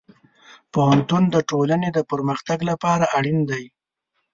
پوهنتون د ټولنې د پرمختګ لپاره اړین دی.